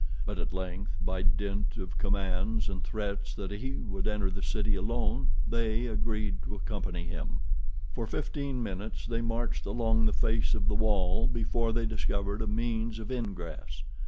But at length, by dint of commands, and threats that he would enter the city alone, they agreed to accompany him. For fifteen minutes they marched along the face of the wall before they discovered a means of ingress.